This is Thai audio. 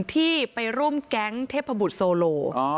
ที่ไปร่วมแก๊งเทพบุตรโซโล